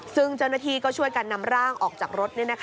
ซึ่งเจ้าหน้าที่ก็ช่วยกันนำร่างออกจากรถ